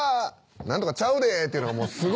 「何とかちゃうで」っていうのがすごい。